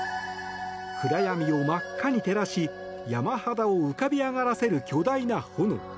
暗闇を真っ赤に照らし山肌を浮かび上がらせる巨大な炎。